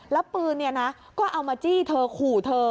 แล้วปืนก็เอามาจี้เธอขู่เธอ